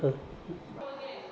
huyện kim bồ